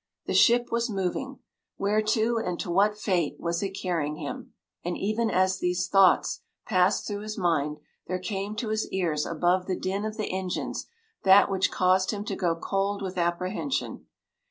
The ship was moving! Where to and to what fate was it carrying him? And even as these thoughts passed through his mind there came to his ears above the din of the engines that which caused him to go cold with apprehension.